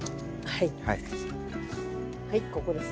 はい。